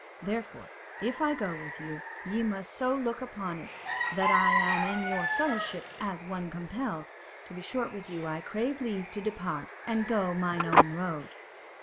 Therefore if I go with you, ye must so look upon it that I am in your fellowship as one compelled. To be short with you, I crave leave to depart and go mine own road."